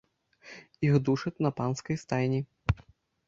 Іх душаць на панскай стайні.